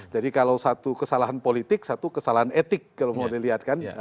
jadi kalau satu kesalahan politik satu kesalahan etik kalau mau dilihat kan